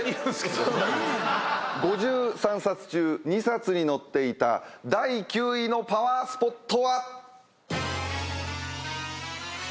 ５３冊中２冊に載っていた第９位のパワースポットは。